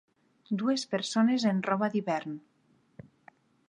Dues persones en roba d'hivern